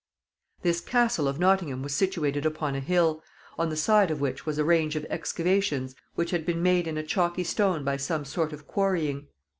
This castle of Nottingham was situated upon a hill, on the side of which was a range of excavations which had been made in a chalky stone by some sort of quarrying.